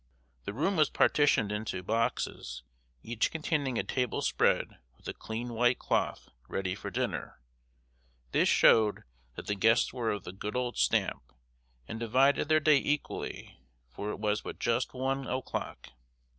The room was partitioned into boxes, each containing a table spread with a clean white cloth, ready for dinner. This showed that the guests were of the good old stamp, and divided their day equally, for it was but just one o'clock.